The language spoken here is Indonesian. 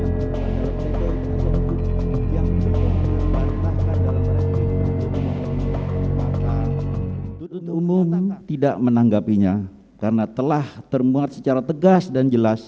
tuntutan umum tidak menanggapinya karena telah termuat secara tegas dan jelas